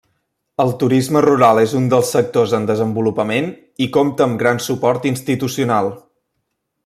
El turisme rural és un dels sectors en desenvolupament i compta amb gran suport institucional.